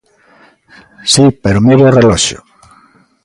Si, pero mire o reloxo.